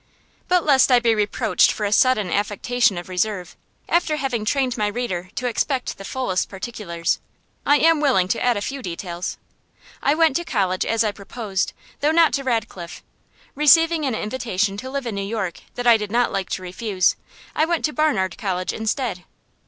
But lest I be reproached for a sudden affectation of reserve, after having trained my reader to expect the fullest particulars, I am willing to add a few details. I went to college, as I proposed, though not to Radcliffe. Receiving an invitation to live in New York that I did not like to refuse, I went to Barnard College instead.